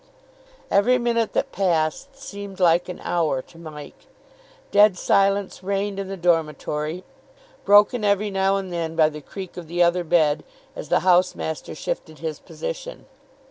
Every minute that passed seemed like an hour to Mike. Dead silence reigned in the dormitory, broken every now and then by the creak of the other bed, as the house master shifted his position.